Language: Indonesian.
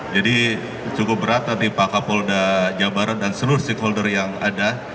jadi cukup berat tadi pak kapolda jawa barat dan seluruh stakeholder yang ada